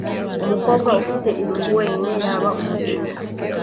umukobwa ufite irungu wenyine yaba umugeni